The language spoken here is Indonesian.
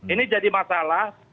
ini jadi masalah